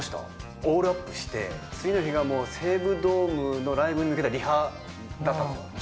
オールアップして、次の日が西武ドームのライブに向けたリハだったんですよ。